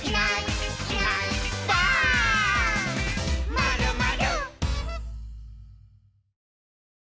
「まるまる」